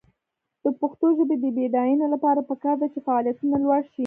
د پښتو ژبې د بډاینې لپاره پکار ده چې فعالیتونه لوړ شي.